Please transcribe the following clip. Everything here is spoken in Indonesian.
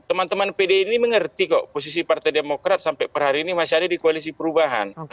teman teman pdi ini mengerti kok posisi partai demokrat sampai per hari ini masih ada di koalisi perubahan